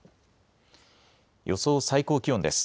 予想最高気温です。